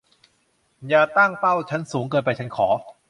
อย่าตั้งเป้าฉันสูงเกินไป ฉันขอ